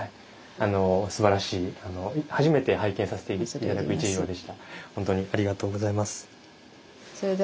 あのすばらしい初めて拝見させて頂く一行でした。